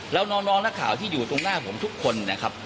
แล้วน้องนักข่าวที่อยู่ตรงหน้าผมทุกคนนะครับ